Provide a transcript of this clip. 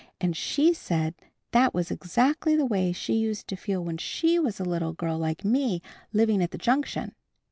And she said that was exactly the way she used to feel when she was a little girl like me, living at the Junction.